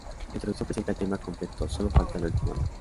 La introducción presenta el tema completo, sólo falta la última nota.